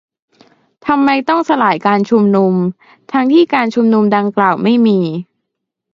- ทำไมต้องสลายการชุมนุม ทั้งที่ การชุมนุมดังกล่าวไม่มี